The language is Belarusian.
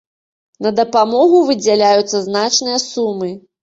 На дапамогу выдзяляюцца значныя сумы.